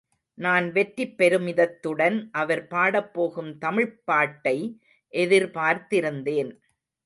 நான் வெற்றிப் பெருமிதத்துடன் அவர் பாடப்போகும் தமிழ்ப்பாட்டை எதிர்பார்த்திருந்தேன்.